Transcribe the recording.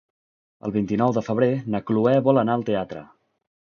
El vint-i-nou de febrer na Cloè vol anar al teatre.